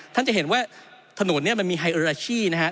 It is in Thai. ท่านจะเห็นว่าถนนเนี่ยมันมีไฮโอราชี่นะฮะ